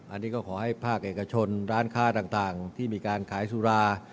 อันนี้ก็ขอให้ภาคเอกชนร้านค้าต่างที่มีการขายสุรา